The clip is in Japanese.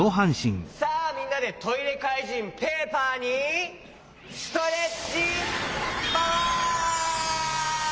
さあみんなでトイレかいじんペーパーにストレッチパワー！